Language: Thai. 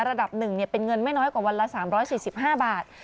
ระดับ๑เป็นเงินไม่น้อยกว่าวันละ๓๔๕บาท